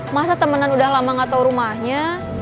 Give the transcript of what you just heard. masa temenan udah lama gak tau rumahnya